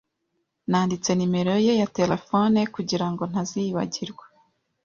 Nanditse nimero ye ya terefone kugirango ntazibagirwa.